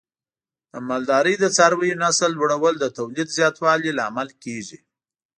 د مالدارۍ د څارویو نسل لوړول د تولید زیاتوالي لامل کېږي.